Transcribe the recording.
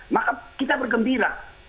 maka kita bergembira